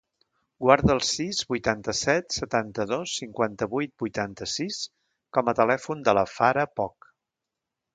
Guarda el sis, vuitanta-set, setanta-dos, cinquanta-vuit, vuitanta-sis com a telèfon de la Farah Poch.